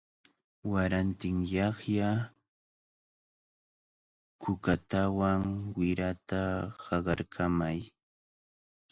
Warantinyaqlla kukatawan wirata haqarkamay.